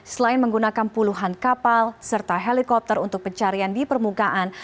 selain menggunakan puluhan kapal serta helikopter untuk pencarian di permukaan